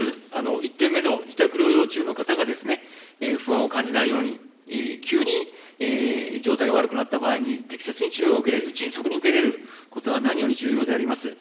１点目の自宅療養中の方が、不安を感じないように、急に状態が悪くなった場合に適切に治療が受けれる、迅速に受けれることが何より重要であります。